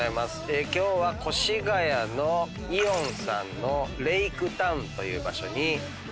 今日は越谷のイオンさんのレイクタウンという場所に来ています。